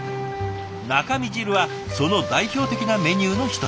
中身汁はその代表的なメニューの一つ。